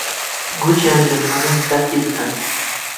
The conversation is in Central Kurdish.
گوتیان دەتوانن چاکی بکەن.